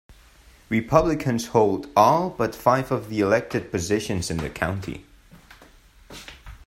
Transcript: Republicans hold all but five of the elected positions in the county.